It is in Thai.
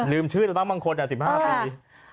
ลืมชื่อบ้างบางคนอ่ะ๑๕ปี